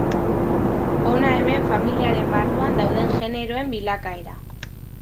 Hona hemen familiaren barruan dauden generoen bilakaera.